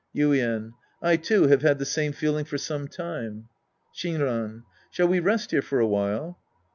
Yuien. I, too, have had the same feeling for some time. Shinran. Shall we rest here for a while